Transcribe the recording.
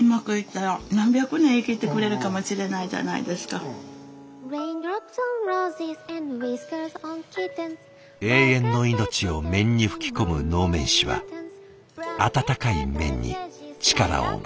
それはもう永遠の命を面に吹き込む能面師は温かい麺に力をもらう。